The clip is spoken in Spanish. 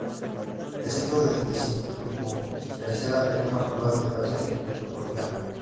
El Centro es la decimotercera región más poblada de Francia metropolitana.